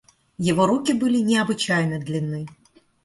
Его руки были необычайно длинны.